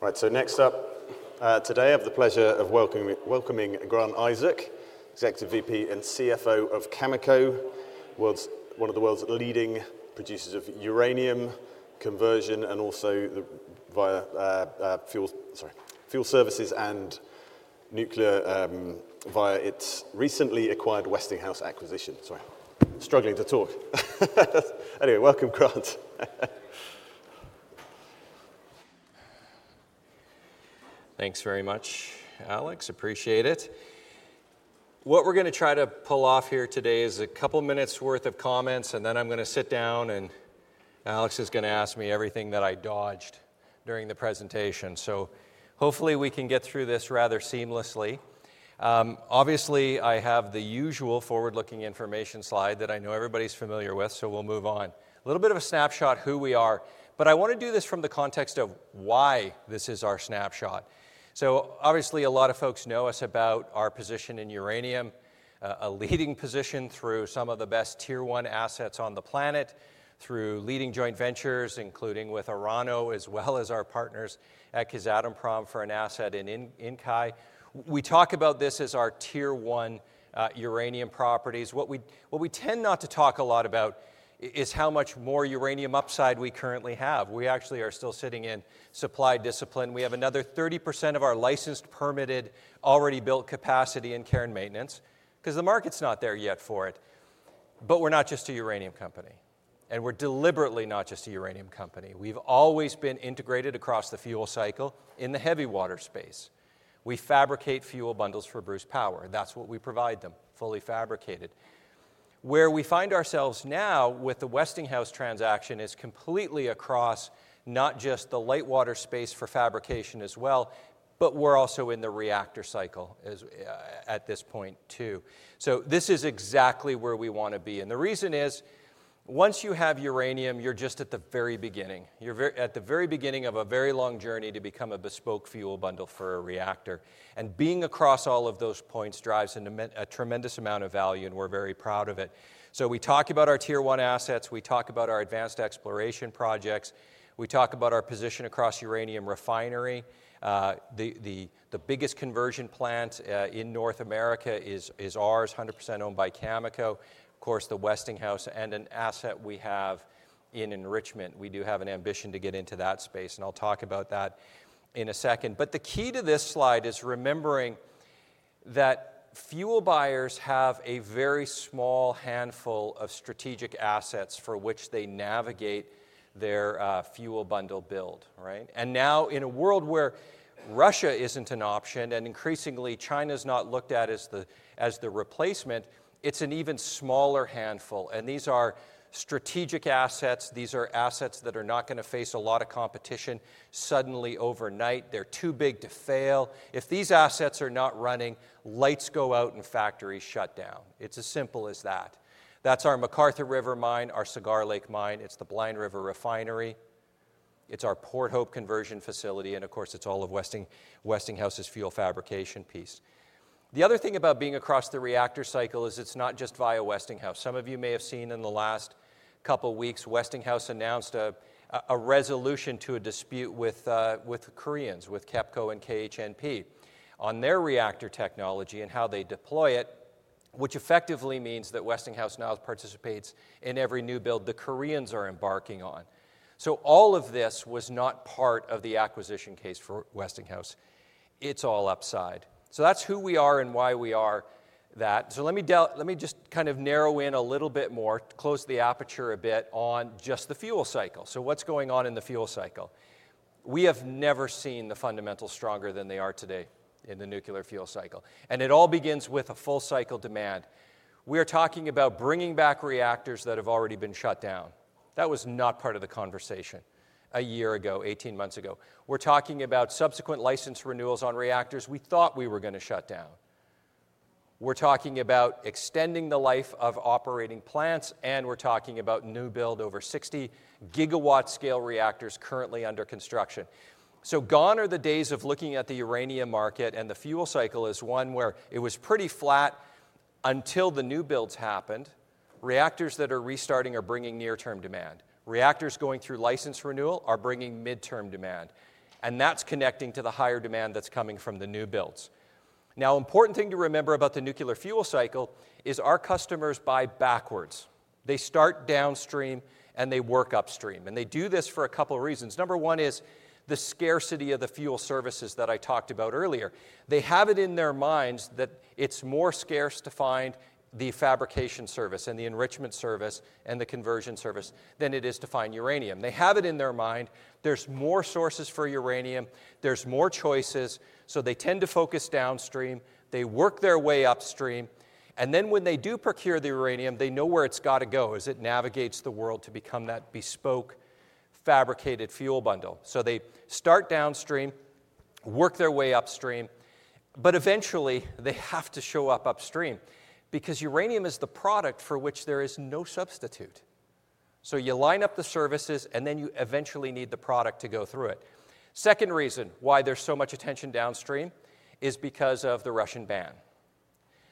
Right, so next up today, I have the pleasure of welcoming Grant Isaac, Executive VP and CFO of Cameco, one of the world's leading producers of uranium conversion and also via fuel services and nuclear via its recently acquired Westinghouse acquisition. Sorry, struggling to talk. Anyway, welcome, Grant. Thanks very much, Alex. Appreciate it. What we're going to try to pull off here today is a couple of minutes' worth of comments, and then I'm going to sit down and Alex is going to ask me everything that I dodged during the presentation. So hopefully we can get through this rather seamlessly. Obviously, I have the usual forward-looking information slide that I know everybody's familiar with, so we'll move on. A little bit of a snapshot of who we are, but I want to do this from the context of why this is our snapshot. So obviously, a lot of folks know us about our position in uranium, a leading position through some of the best Tier 1 assets on the planet, through leading joint ventures, including with Orano, as well as our partners at Kazatomprom for an asset in Inkai. We talk about this as our Tier 1 uranium properties. What we tend not to talk a lot about is how much more uranium upside we currently have. We actually are still sitting in supply discipline. We have another 30% of our licensed, permitted, already built capacity in care and maintenance because the market's not there yet for it. But we're not just a uranium company, and we're deliberately not just a uranium company. We've always been integrated across the fuel cycle in the heavy water space. We fabricate fuel bundles for Bruce Power. That's what we provide them, fully fabricated. Where we find ourselves now with the Westinghouse transaction is completely across not just the light water space for fabrication as well, but we're also in the reactor cycle at this point too. So this is exactly where we want to be. The reason is, once you have uranium, you're just at the very beginning. You're at the very beginning of a very long journey to become a bespoke fuel bundle for a reactor. Being across all of those points drives a tremendous amount of value, and we're very proud of it. We talk about our Tier 1 assets. We talk about our advanced exploration projects. We talk about our position across uranium refinery. The biggest conversion plant in North America is ours, 100% owned by Cameco. Of course, the Westinghouse and an asset we have in enrichment. We do have an ambition to get into that space, and I'll talk about that in a second. The key to this slide is remembering that fuel buyers have a very small handful of strategic assets for which they navigate their fuel bundle build. And now, in a world where Russia isn't an option and increasingly China's not looked at as the replacement, it's an even smaller handful. And these are strategic assets. These are assets that are not going to face a lot of competition suddenly overnight. They're too big to fail. If these assets are not running, lights go out and factories shut down. It's as simple as that. That's our McArthur River mine, our Cigar Lake mine. It's the Blind River refinery. It's our Port Hope conversion facility. And of course, it's all of Westinghouse's fuel fabrication piece. The other thing about being across the reactor cycle is it's not just via Westinghouse. Some of you may have seen in the last couple of weeks, Westinghouse announced a resolution to a dispute with Koreans, with KEPCO and KHNP on their reactor technology and how they deploy it, which effectively means that Westinghouse now participates in every new build the Koreans are embarking on. So all of this was not part of the acquisition case for Westinghouse. It's all upside. So that's who we are and why we are that. So let me just kind of narrow in a little bit more, close the aperture a bit on just the fuel cycle. So what's going on in the fuel cycle? We have never seen the fundamentals stronger than they are today in the nuclear fuel cycle. And it all begins with a fuel cycle demand. We are talking about bringing back reactors that have already been shut down. That was not part of the conversation a year ago, 18 months ago. We're talking about subsequent license renewals on reactors we thought we were going to shut down. We're talking about extending the life of operating plants, and we're talking about new build over 60 GW scale reactors currently under construction, so gone are the days of looking at the uranium market, and the fuel cycle is one where it was pretty flat until the new builds happened. Reactors that are restarting are bringing near-term demand. Reactors going through license renewal are bringing mid-term demand. And that's connecting to the higher demand that's coming from the new builds. Now, an important thing to remember about the nuclear fuel cycle is our customers buy backwards. They start downstream and they work upstream. And they do this for a couple of reasons. Number one is the scarcity of the fuel services that I talked about earlier. They have it in their minds that it's more scarce to find the fabrication service and the enrichment service and the conversion service than it is to find uranium. They have it in their mind. There's more sources for uranium. There's more choices. So they tend to focus downstream. They work their way upstream. And then when they do procure the uranium, they know where it's got to go as it navigates the world to become that bespoke fabricated fuel bundle. So they start downstream, work their way upstream, but eventually they have to show up upstream because uranium is the product for which there is no substitute. So you line up the services, and then you eventually need the product to go through it. Second reason why there's so much attention downstream is because of the Russian ban.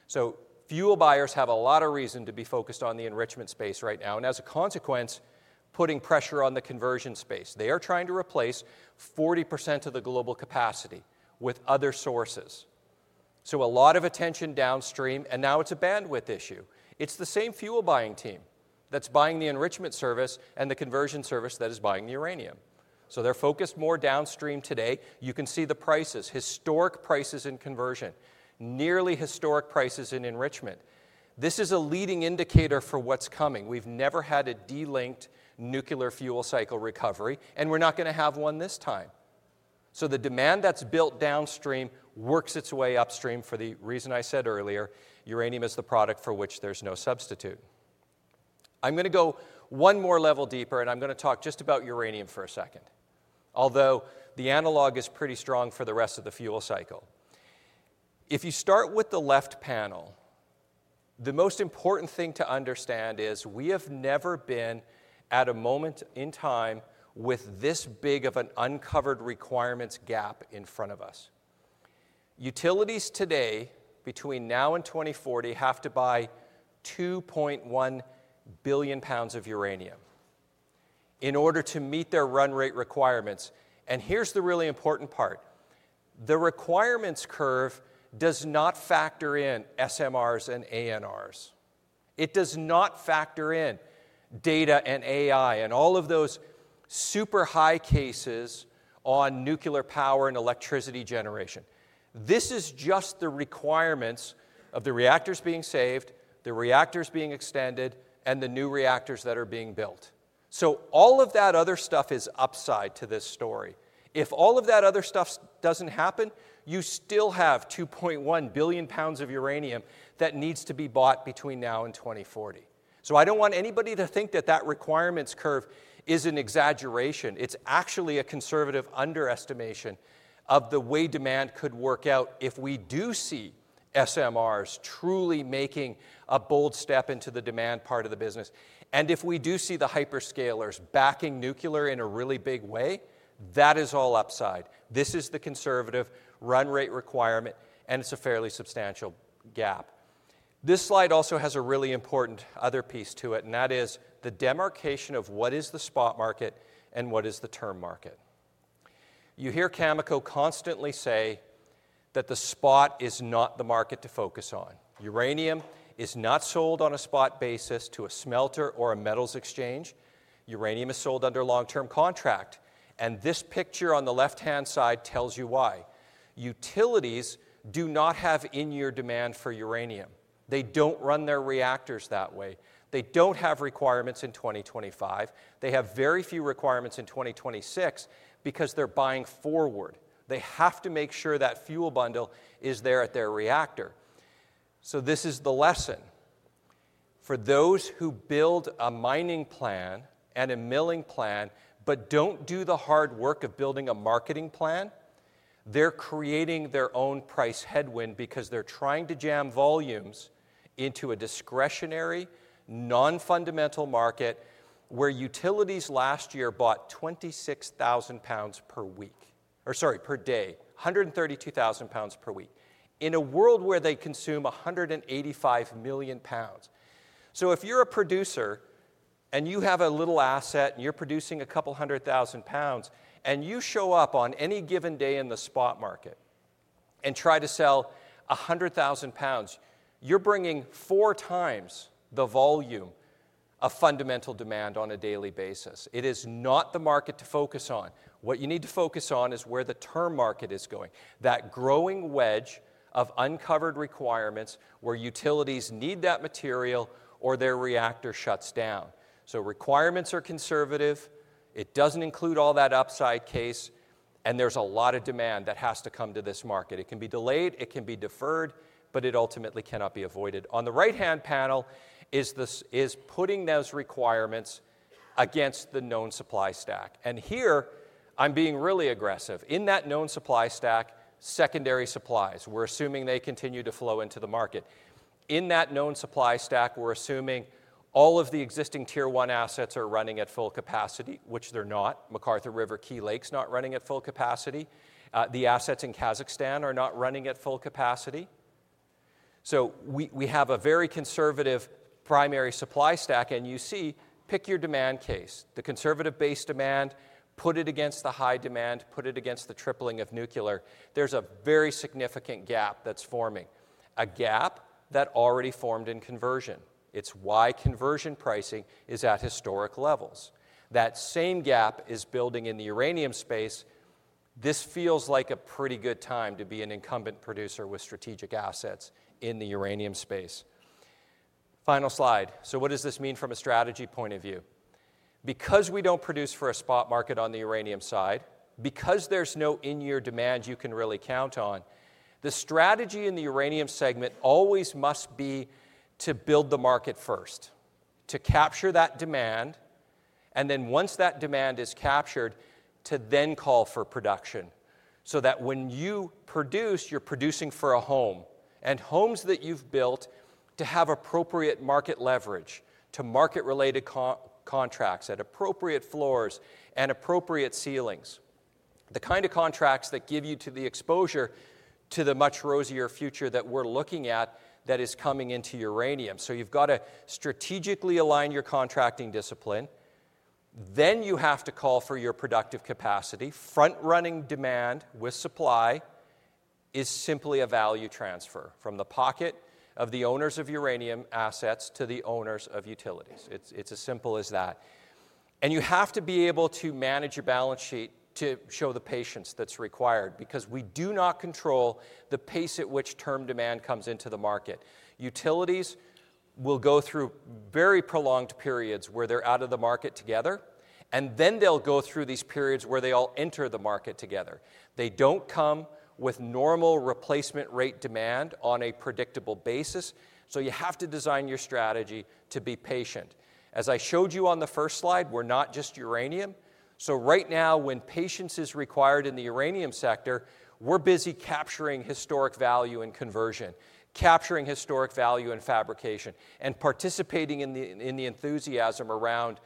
So fuel buyers have a lot of reason to be focused on the enrichment space right now. And as a consequence, putting pressure on the conversion space. They are trying to replace 40% of the global capacity with other sources. So a lot of attention downstream, and now it's a bandwidth issue. It's the same fuel buying team that's buying the enrichment service and the conversion service that is buying the uranium. So they're focused more downstream today. You can see the prices, historic prices in conversion, nearly historic prices in enrichment. This is a leading indicator for what's coming. We've never had a delinked nuclear fuel cycle recovery, and we're not going to have one this time. The demand that's built downstream works its way upstream for the reason I said earlier. Uranium is the product for which there's no substitute. I'm going to go one more level deeper, and I'm going to talk just about uranium for a second, although the analog is pretty strong for the rest of the fuel cycle. If you start with the left panel, the most important thing to understand is we have never been at a moment in time with this big of an uncovered requirements gap in front of us. Utilities today, between now and 2040, have to buy 2.1 billion pounds of uranium in order to meet their run rate requirements. Here's the really important part. The requirements curve does not factor in SMRs and AMRs. It does not factor in data and AI and all of those super high cases on nuclear power and electricity generation. This is just the requirements of the reactors being saved, the reactors being extended, and the new reactors that are being built, so all of that other stuff is upside to this story. If all of that other stuff doesn't happen, you still have 2.1 billion pounds of uranium that needs to be bought between now and 2040, so I don't want anybody to think that that requirements curve is an exaggeration. It's actually a conservative underestimation of the way demand could work out if we do see SMRs truly making a bold step into the demand part of the business, and if we do see the hyperscalers backing nuclear in a really big way, that is all upside. This is the conservative run rate requirement, and it's a fairly substantial gap. This slide also has a really important other piece to it, and that is the demarcation of what is the spot market and what is the term market. You hear Cameco constantly say that the spot is not the market to focus on. Uranium is not sold on a spot basis to a smelter or a metals exchange. Uranium is sold under long-term contract. And this picture on the left-hand side tells you why. Utilities do not have in-year demand for uranium. They don't run their reactors that way. They don't have requirements in 2025. They have very few requirements in 2026 because they're buying forward. They have to make sure that fuel bundle is there at their reactor. So this is the lesson. For those who build a mining plan and a milling plan but don't do the hard work of building a marketing plan, they're creating their own price headwind because they're trying to jam volumes into a discretionary, non-fundamental market where utilities last year bought 26,000 pounds per week or sorry, per day, 132,000 pounds per week in a world where they consume 185 million pounds. So if you're a producer and you have a little asset and you're producing a couple hundred thousand pounds, and you show up on any given day in the spot market and try to sell 100,000 pounds, you're bringing 4x the volume of fundamental demand on a daily basis. It is not the market to focus on. What you need to focus on is where the term market is going, that growing wedge of uncovered requirements where utilities need that material or their reactor shuts down. So requirements are conservative. It doesn't include all that upside case, and there's a lot of demand that has to come to this market. It can be delayed. It can be deferred, but it ultimately cannot be avoided. On the right-hand panel is putting those requirements against the known supply stack, and here, I'm being really aggressive. In that known supply stack, secondary supplies, we're assuming they continue to flow into the market. In that known supply stack, we're assuming all of the existing Tier 1 assets are running at full capacity, which they're not. McArthur River, Key Lake's not running at full capacity. The assets in Kazakhstan are not running at full capacity. So, we have a very conservative primary supply stack. And you see, pick your demand case, the conservative-based demand, put it against the high demand, put it against the tripling of nuclear. There's a very significant gap that's forming, a gap that already formed in conversion. It's why conversion pricing is at historic levels. That same gap is building in the uranium space. This feels like a pretty good time to be an incumbent producer with strategic assets in the uranium space. Final slide. So, what does this mean from a strategy point of view? Because we don't produce for a spot market on the uranium side, because there's no in-year demand you can really count on, the strategy in the uranium segment always must be to build the market first, to capture that demand, and then once that demand is captured, to then call for production so that when you produce, you're producing for a home, and homes that you've built to have appropriate market leverage to market-related contracts at appropriate floors and appropriate ceilings, the kind of contracts that give you the exposure to the much rosier future that we're looking at that is coming into uranium, so you've got to strategically align your contracting discipline, then you have to call for your productive capacity. Front-running demand with supply is simply a value transfer from the pocket of the owners of uranium assets to the owners of utilities. It's as simple as that. And you have to be able to manage your balance sheet to show the patience that's required because we do not control the pace at which term demand comes into the market. Utilities will go through very prolonged periods where they're out of the market together, and then they'll go through these periods where they all enter the market together. They don't come with normal replacement rate demand on a predictable basis. So you have to design your strategy to be patient. As I showed you on the first slide, we're not just uranium. So right now, when patience is required in the uranium sector, we're busy capturing historic value in conversion, capturing historic value in fabrication, and participating in the enthusiasm around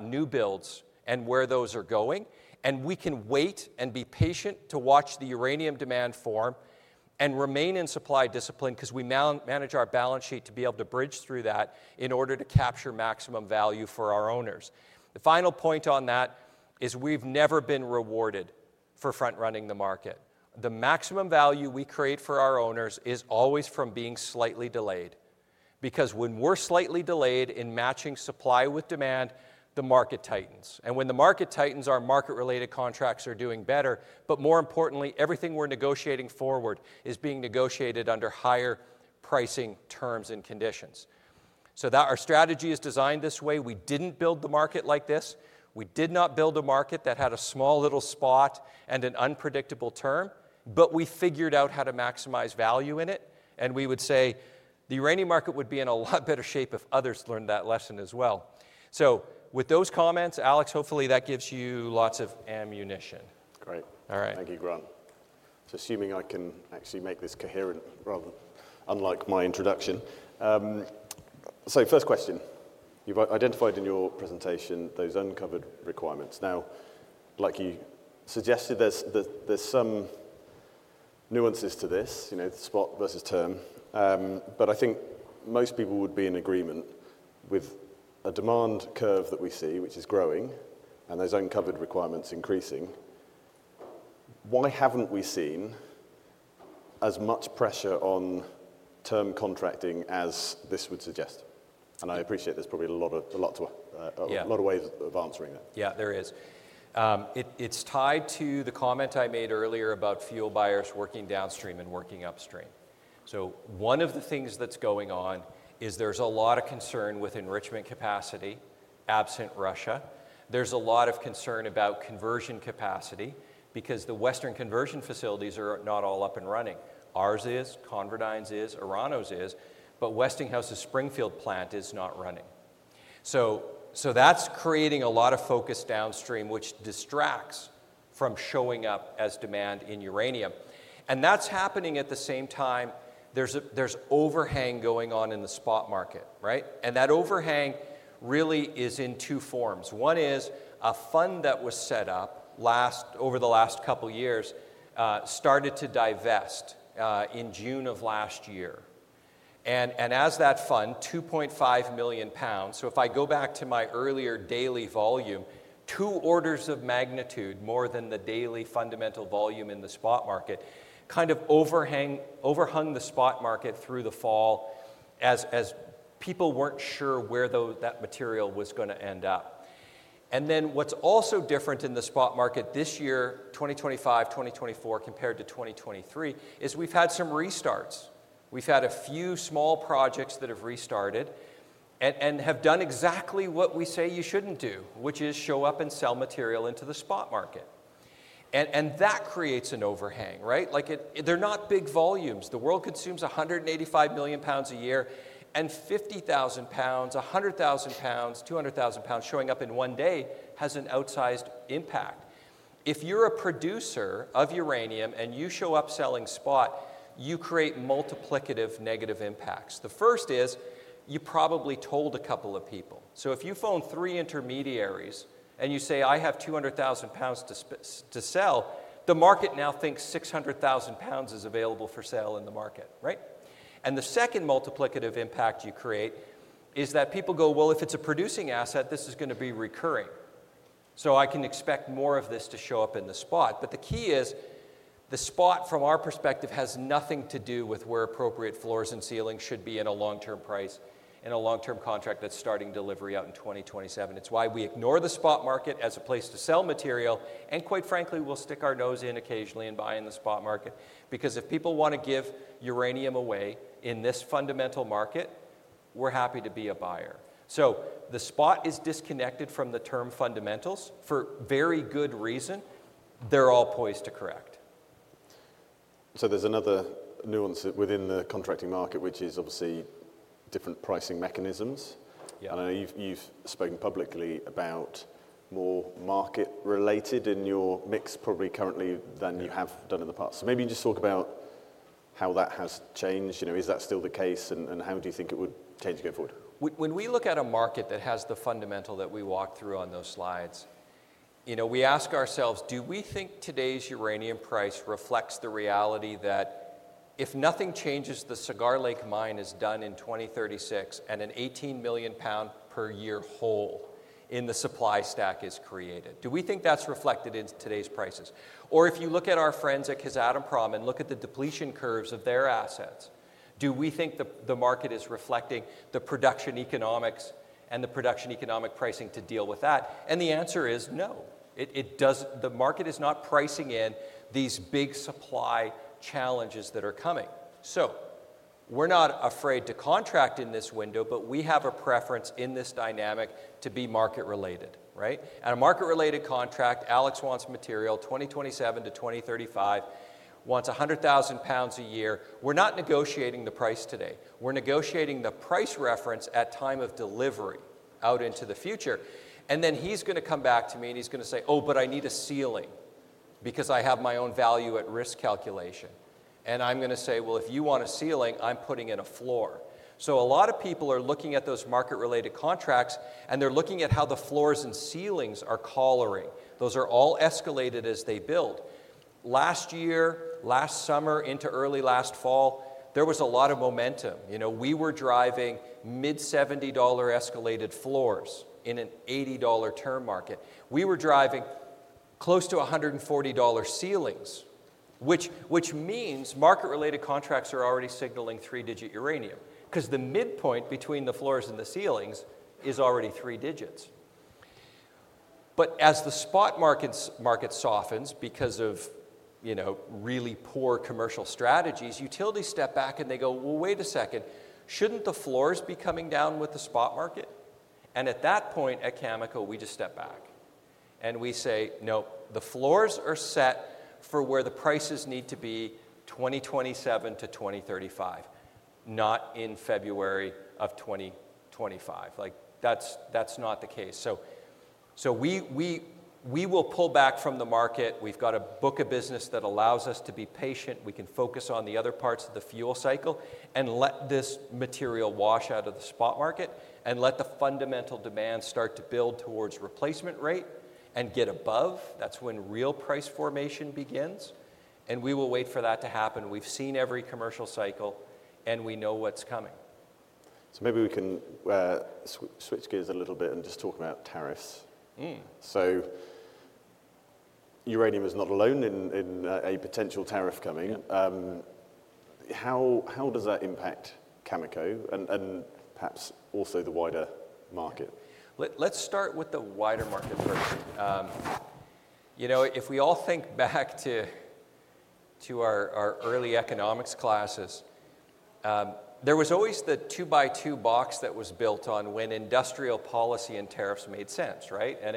new builds and where those are going. And we can wait and be patient to watch the uranium demand form and remain in supply discipline because we manage our balance sheet to be able to bridge through that in order to capture maximum value for our owners. The final point on that is we've never been rewarded for front-running the market. The maximum value we create for our owners is always from being slightly delayed because when we're slightly delayed in matching supply with demand, the market tightens. And when the market tightens, our market-related contracts are doing better. But more importantly, everything we're negotiating forward is being negotiated under higher pricing terms and conditions. So our strategy is designed this way. We didn't build the market like this. We did not build a market that had a small little spot and an unpredictable term, but we figured out how to maximize value in it. We would say the uranium market would be in a lot better shape if others learned that lesson as well. With those comments, Alex, hopefully that gives you lots of ammunition. Great. Thank you, Grant. Just assuming I can actually make this coherent rather than unlike my introduction. First question, you've identified in your presentation those uncovered requirements. Now, like you suggested, there's some nuances to this, spot versus term. But I think most people would be in agreement with a demand curve that we see, which is growing, and those uncovered requirements increasing. Why haven't we seen as much pressure on term contracting as this would suggest? I appreciate there's probably a lot of ways of answering that. Yeah, there is. It's tied to the comment I made earlier about fuel buyers working downstream and working upstream. So one of the things that's going on is there's a lot of concern with enrichment capacity absent Russia. There's a lot of concern about conversion capacity because the Western conversion facilities are not all up and running. Ours is, ConverDyn's is, Orano's is, but Westinghouse's Springfields plant is not running. So that's creating a lot of focus downstream, which distracts from showing up as demand in uranium. And that's happening at the same time there's overhang going on in the spot market, right? And that overhang really is in two forms. One is a fund that was set up over the last couple of years started to divest in June of last year. As that fund, 2.5 million pounds, so if I go back to my earlier daily volume, two orders of magnitude more than the daily fundamental volume in the spot market kind of overhung the spot market through the fall as people weren't sure where that material was going to end up. And then what's also different in the spot market this year, 2025, 2024 compared to 2023, is we've had some restarts. We've had a few small projects that have restarted and have done exactly what we say you shouldn't do, which is show up and sell material into the spot market. And that creates an overhang, right? They're not big volumes. The world consumes 185 million pounds a year, and 50,000 pounds, 100,000 pounds, 200,000 pounds showing up in one day has an outsized impact. If you're a producer of uranium and you show up selling spot, you create multiplicative negative impacts. The first is you probably told a couple of people. So if you phone three intermediaries and you say, I have 200,000 pounds to sell, the market now thinks 600,000 pounds is available for sale in the market, right? And the second multiplicative impact you create is that people go, well, if it's a producing asset, this is going to be recurring. So I can expect more of this to show up in the spot. But the key is the spot, from our perspective, has nothing to do with where appropriate floors and ceilings should be in a long-term price and a long-term contract that's starting delivery out in 2027. It's why we ignore the spot market as a place to sell material. Quite frankly, we'll stick our nose in occasionally and buy in the spot market because if people want to give uranium away in this fundamental market, we're happy to be a buyer. The spot is disconnected from the term fundamentals for very good reason. They're all poised to correct. So there's another nuance within the contracting market, which is obviously different pricing mechanisms. And I know you've spoken publicly about more market-related in your mix probably currently than you have done in the past. So maybe you just talk about how that has changed. Is that still the case, and how do you think it would change going forward? When we look at a market that has the fundamental that we walked through on those slides, we ask ourselves, do we think today's uranium price reflects the reality that if nothing changes, the Cigar Lake mine is done in 2036 and an 18 million pound per year hole in the supply stack is created? Do we think that's reflected in today's prices? Or if you look at our friends at Kazatomprom and look at the depletion curves of their assets, do we think the market is reflecting the production economics and the production economic pricing to deal with that? And the answer is no. The market is not pricing in these big supply challenges that are coming. So we're not afraid to contract in this window, but we have a preference in this dynamic to be market-related, right? And a market-related contract. Alex wants material 2027 to 2035, wants 100,000 pounds a year. We're not negotiating the price today. We're negotiating the price reference at time of delivery out into the future. And then he's going to come back to me and he's going to say, oh, but I need a ceiling because I have my own value at risk calculation. And I'm going to say, well, if you want a ceiling, I'm putting in a floor. So a lot of people are looking at those market-related contracts, and they're looking at how the floors and ceilings are coloring. Those are all escalated as they build. Last year, last summer into early last fall, there was a lot of momentum. We were driving mid-$70 escalated floors in an $80 term market. We were driving close to $140 ceilings, which means market-related contracts are already signaling three-digit uranium because the midpoint between the floors and the ceilings is already three digits. But as the spot market softens because of really poor commercial strategies, utilities step back and they go, well, wait a second. Shouldn't the floors be coming down with the spot market? And at that point at Cameco, we just step back and we say, nope, the floors are set for where the prices need to be 2027 to 2035, not in February of 2025. That's not the case. So we will pull back from the market. We've got a book of business that allows us to be patient. We can focus on the other parts of the fuel cycle and let this material wash out of the spot market and let the fundamental demand start to build towards replacement rate and get above. That's when real price formation begins. And we will wait for that to happen. We've seen every commercial cycle, and we know what's coming. So maybe we can switch gears a little bit and just talk about tariffs. So uranium is not alone in a potential tariff coming. How does that impact Cameco and perhaps also the wider market? Let's start with the wider market first. If we all think back to our early economics classes, there was always the two-by-two box that was built on when industrial policy and tariffs made sense, right? And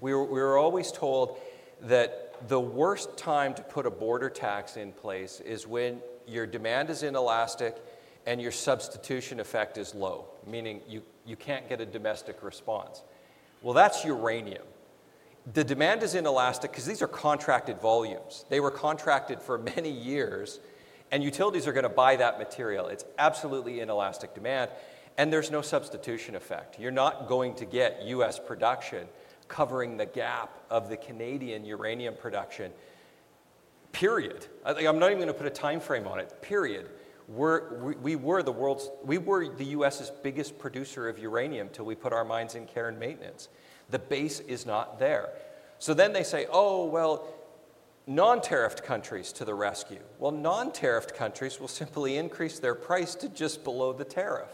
we were always told that the worst time to put a border tax in place is when your demand is inelastic and your substitution effect is low, meaning you can't get a domestic response. Well, that's uranium. The demand is inelastic because these are contracted volumes. They were contracted for many years, and utilities are going to buy that material. It's absolutely inelastic demand, and there's no substitution effect. You're not going to get U.S. production covering the gap of the Canadian uranium production, period. I'm not even going to put a time frame on it, period. We were the U.S.'s biggest producer of uranium till we put our mines in care and maintenance. The base is not there. So then they say, oh, well, non-tariffed countries to the rescue. Well, non-tariffed countries will simply increase their price to just below the tariff.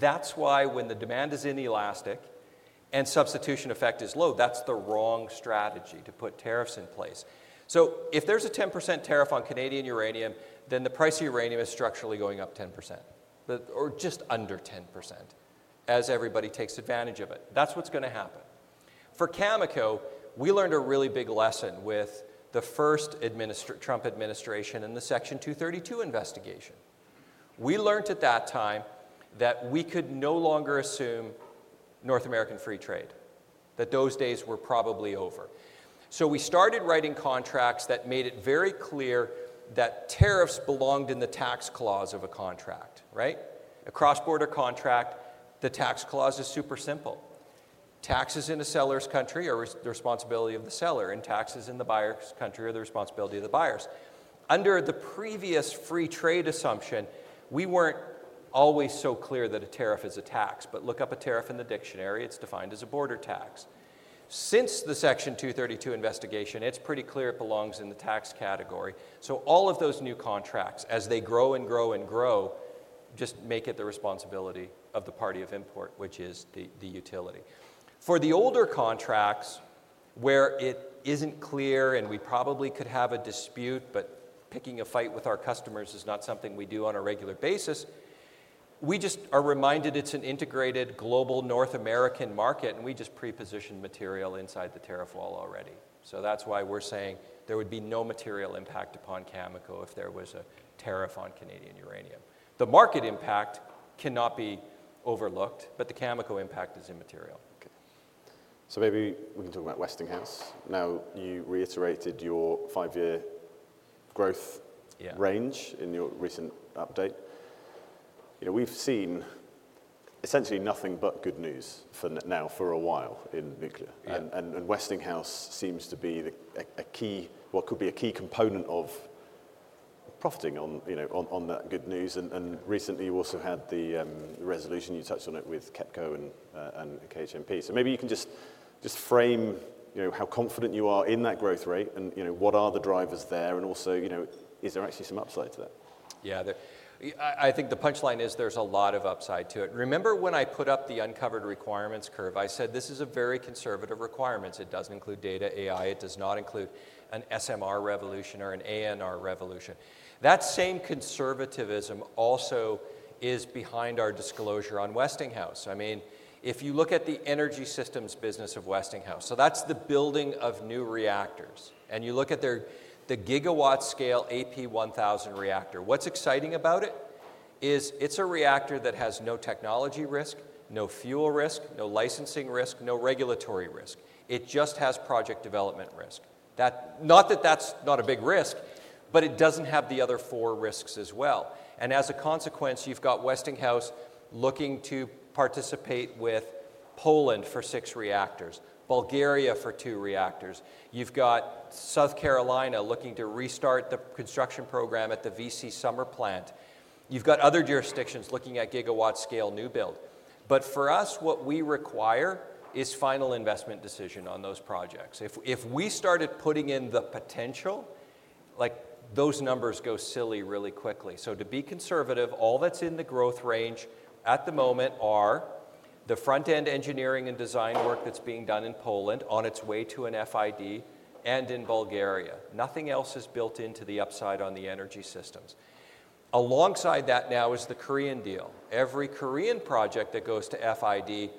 That's why when the demand is inelastic and substitution effect is low, that's the wrong strategy to put tariffs in place. So if there's a 10% tariff on Canadian uranium, then the price of uranium is structurally going up 10% or just under 10% as everybody takes advantage of it. That's what's going to happen. For Cameco, we learned a really big lesson with the first Trump administration and the Section 232 investigation. We learned at that time that we could no longer assume North American free trade, that those days were probably over. So we started writing contracts that made it very clear that tariffs belonged in the tax clause of a contract, right? A cross-border contract, the tax clause is super simple. Taxes in a seller's country are the responsibility of the seller, and taxes in the buyer's country are the responsibility of the buyers. Under the previous free trade assumption, we weren't always so clear that a tariff is a tax. But look up a tariff in the dictionary. It's defined as a border tax. Since the Section 232 investigation, it's pretty clear it belongs in the tax category. So all of those new contracts, as they grow and grow and grow, just make it the responsibility of the party of import, which is the utility. For the older contracts where it isn't clear and we probably could have a dispute, but picking a fight with our customers is not something we do on a regular basis, we just are reminded it's an integrated global North American market, and we just pre-positioned material inside the tariff wall already. So that's why we're saying there would be no material impact upon Cameco if there was a tariff on Canadian uranium. The market impact cannot be overlooked, but the Cameco impact is immaterial. So maybe we can talk about Westinghouse. Now, you reiterated your five-year growth range in your recent update. We've seen essentially nothing but good news now for a while in nuclear. And Westinghouse seems to be a key what could be a key component of profiting on that good news. And recently, you also had the resolution you touched on it with KEPCO and KHNP. So maybe you can just frame how confident you are in that growth rate and what are the drivers there. And also, is there actually some upside to that? Yeah. I think the punchline is there's a lot of upside to it. Remember when I put up the uncovered requirements curve? I said, this is a very conservative requirements. It doesn't include data AI. It does not include an SMR revolution or an ANR revolution. That same conservatism also is behind our disclosure on Westinghouse. I mean, if you look at the energy systems business of Westinghouse, so that's the building of new reactors. And you look at the gigawatt scale AP1000 reactor, what's exciting about it is it's a reactor that has no technology risk, no fuel risk, no licensing risk, no regulatory risk. It just has project development risk. Not that that's not a big risk, but it doesn't have the other four risks as well. And as a consequence, you've got Westinghouse looking to participate with Poland for six reactors, Bulgaria for two reactors. You've got South Carolina looking to restart the construction program at the V.C. Summer plant. You've got other jurisdictions looking at gigawatt scale new build. But for us, what we require is final investment decision on those projects. If we started putting in the potential, those numbers go silly really quickly. So to be conservative, all that's in the growth range at the moment are the front-end engineering and design work that's being done in Poland on its way to an FID and in Bulgaria. Nothing else is built into the upside on the energy systems. Alongside that now is the Korean deal. Every Korean project that goes to FID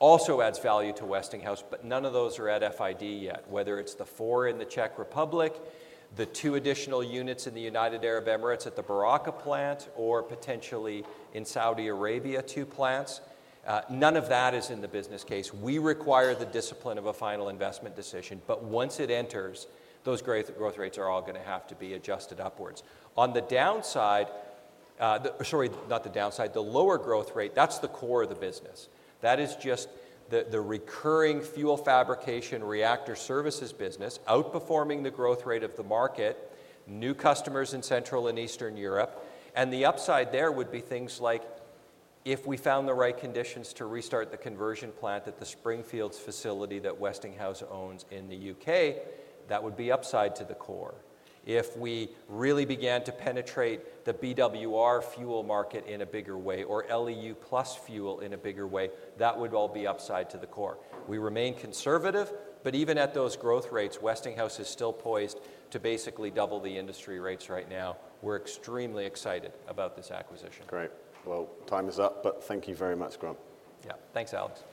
also adds value to Westinghouse, but none of those are at FID yet, whether it's the four in the Czech Republic, the two additional units in the United Arab Emirates at the Barakah plant, or potentially in Saudi Arabia, two plants. None of that is in the business case. We require the discipline of a final investment decision, but once it enters, those growth rates are all going to have to be adjusted upwards. On the downside, sorry, not the downside. The lower growth rate, that's the core of the business. That is just the recurring fuel fabrication reactor services business outperforming the growth rate of the market, new customers in Central and Eastern Europe. The upside there would be things like if we found the right conditions to restart the conversion plant at the Springfields facility that Westinghouse owns in the U.K., that would be upside to the core. If we really began to penetrate the BWR fuel market in a bigger way or LEU+ fuel in a bigger way, that would all be upside to the core. We remain conservative, but even at those growth rates, Westinghouse is still poised to basically double the industry rates right now. We're extremely excited about this acquisition. Great. Well, time is up, but thank you very much, Grant. Yeah. Thanks, Alex.